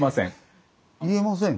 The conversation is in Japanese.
言えません。